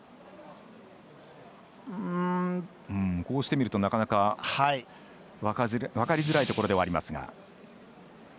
こうして見ると、なかなか分かりづらいところではあります。